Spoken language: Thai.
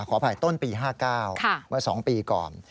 ขออภัยต้นปี๕๙เมื่อ๒ปีก่อน